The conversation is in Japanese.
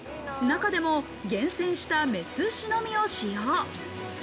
中でも厳選した雌牛のみを使用。